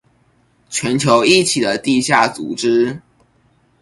全球一起的地下組織